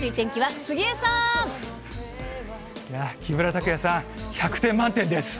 木村拓哉さん、百点満点です。